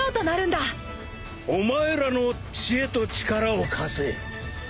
お前らの知恵と力を貸せ。